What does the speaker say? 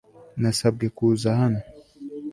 Nasabwe kuza hano